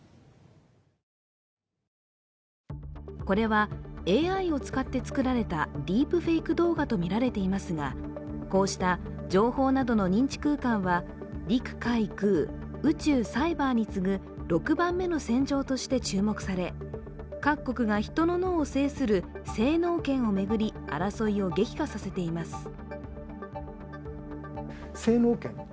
これは、ＡＩを使って作られたディープフフェイク動画とみられていますが、こうした情報などの認知空間は陸・海・空、宇宙、サイバーに次ぐ６番目の戦場として注目され各国が人の脳を制する制脳権を巡り争いを激化させています。